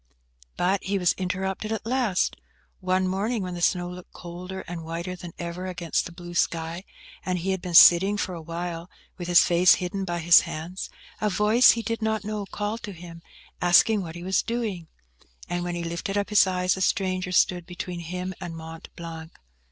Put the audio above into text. But he was interrupted at last. One morning, when the snow looked colder and whiter than ever against the blue sky, and he had been sitting for a while, with his face hidden by his hands, a voice he did not know called to him, asking what he was doing. And when he lifted up his eyes, a stranger stood between him and Mont Blanc.